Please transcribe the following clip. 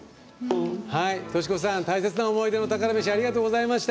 トシ子さん大切な思い出の宝メシありがとうございました。